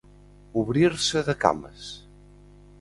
Obrir-se de cames.